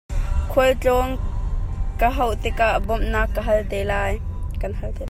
Khualtlawn ka hauh tik ah bawmhnak kan hal te lai.